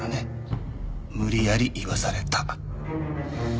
無理やり言わされた。